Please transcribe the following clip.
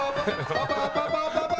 パパパパパパ。